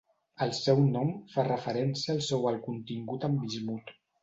El seu nom fa referència al seu alt contingut en bismut.